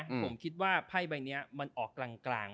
ผมคิดว่าไพ่ใบนี้มันออกกลาง